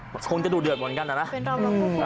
คนจะดูเดือดกว่านั้นนะฮะ